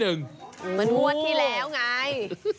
เหมือนงวดที่แล้วไง